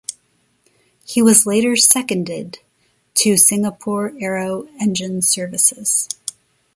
He was later seconded to Singapore Aero Engine Services.